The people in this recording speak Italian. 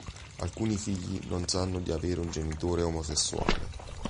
Alcuni figli non sanno di avere un genitore omosessuale.